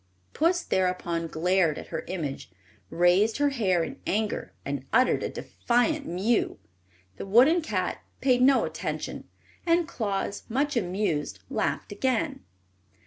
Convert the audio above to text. Puss thereupon glared at her image, raised her hair in anger, and uttered a defiant mew. The wooden cat paid no attention, and Claus, much amused, laughed again.